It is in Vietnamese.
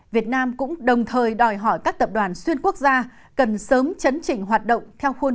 việt nam cũng đồng thời đòi hỏi các tập đoàn xuyên quốc gia cần sớm chấn chỉnh hoạt động theo khuôn